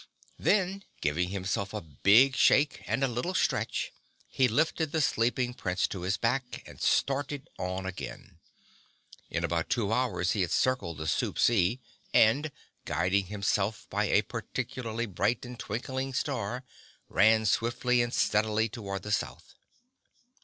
Then, giving himself a big shake and a little stretch, he lifted the sleeping Prince to his back and started on again. In about two hours he had circled the Soup Sea and, guiding himself by a particularly bright and twinkling star, ran swiftly and steadily toward the South.